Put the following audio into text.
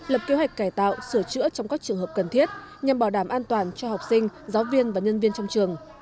lập kế hoạch cải tạo sửa chữa trong các trường hợp cần thiết nhằm bảo đảm an toàn cho học sinh giáo viên và nhân viên trong trường